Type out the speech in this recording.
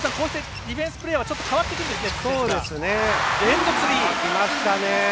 ディフェンスプレーヤーは変わってくるんですね。